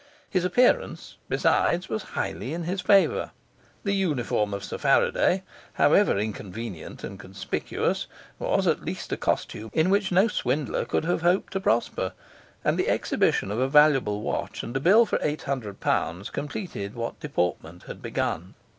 His appearance, besides, was highly in his favour; the uniform of Sir Faraday, however inconvenient and conspicuous, was, at least, a costume in which no swindler could have hoped to prosper; and the exhibition of a valuable watch and a bill for eight hundred pounds completed what deportment had begun.